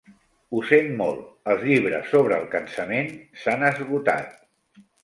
Ho sent molt, els llibres sobre el cansament s'han esgotat.